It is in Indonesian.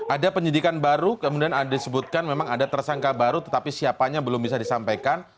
ada penyidikan baru kemudian ada disebutkan memang ada tersangka baru tetapi siapanya belum bisa disampaikan